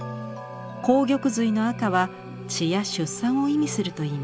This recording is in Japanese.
紅玉髄の赤は血や出産を意味するといいます。